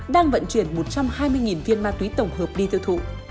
đang vận chuyển một trăm hai mươi viên ma túy tổng hợp đi tiêu thụ